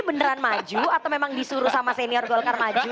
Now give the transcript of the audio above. beneran maju atau memang disuruh sama senior golkar maju